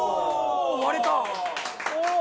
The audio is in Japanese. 割れた！